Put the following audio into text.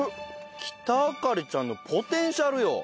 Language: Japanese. キタアカリちゃんのポテンシャルよ。